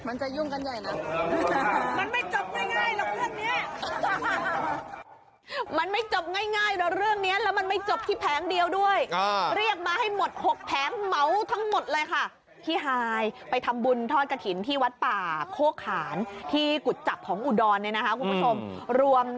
มันจะยุ่งกันใหญ่นะมันไม่จบง่ายแล้วเรื่องเนี้ยแล้วมันไม่จบที่แพ้งเดียวด้วยอ่าเรียกมาให้หมดหกแพ้งเมาทั้งหมดเลยค่ะที่ฮายไปทำบุญทอดกระถิ่นที่วัดป่าโค้กหาญที่กุจจับของอุดรเนี่ยค่ะแล้วมันจะยุ่งกันใหญ่นะมันไม่จบง่ายแล้วเรื่องเนี้ยแล้วมันไม่จบที่แพ้งเดียวด้วยอ่าเร